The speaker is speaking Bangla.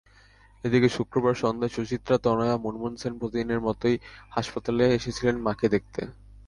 এদিকে, শুক্রবার সন্ধ্যায় সুচিত্রা-তনয়া মুনমুন সেন প্রতিদিনের মতোই হাসপাতালে এসেছিলেন মাকে দেখতে।